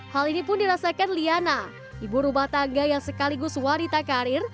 hal ini pun dirasakan liana ibu rumah tangga yang sekaligus wanita karir